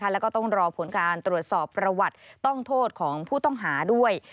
แล้วก็ต้องรอผลการตรวจสอบประวัติต้องโทษของผู้ต้องหาด้วย